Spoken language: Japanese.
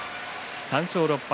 ３勝６敗。